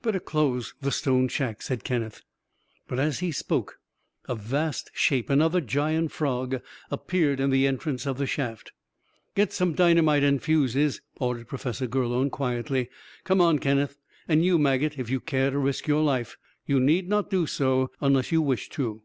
"Better close the stone shack," said Kenneth. But as he spoke, a vast shape, another giant frog, appeared in the entrance of the shaft. "Get some dynamite and fuses," ordered Professor Gurlone quietly. "Come on Kenneth, and you, Maget, if you care to risk your life. You need not do so unless you wish to."